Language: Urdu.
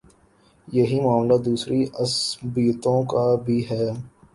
یہی معاملہ دوسری عصبیتوں کا بھی ہے۔